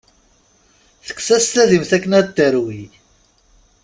Tekkes-as tadimt akken ad t-terwi.